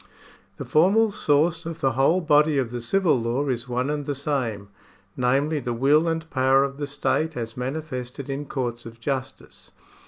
The formal source of the whole body of the civil law is one and the same, namely, the will and power of the state as manifested in courts of justice.